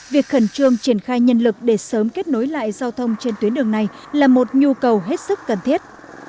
việc khẩn trương triển khai nhân lực để sớm kết nối lại giao thông trên tuyến đường này là một nhu cầu hết sức cần thiết